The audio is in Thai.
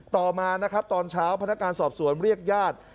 ต่อมานะครับตอนเช้าพนักงานสอบสวนเรียกญาติ